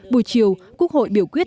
buổi chiều quốc hội biểu quyết